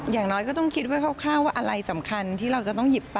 อย่างน้อยก็ต้องคิดไว้คร่าวว่าอะไรสำคัญที่เราจะต้องหยิบไป